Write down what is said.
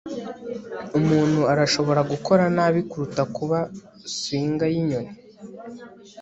umuntu arashobora gukora nabi kuruta kuba swinger yinyoni